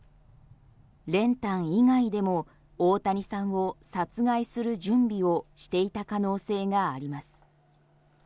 練炭以外でも大谷さんを殺害する準備をしていた可能性があります。